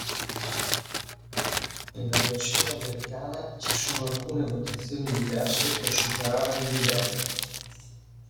Nella versione americana ci sono alcune votazioni diverse per superare un livello.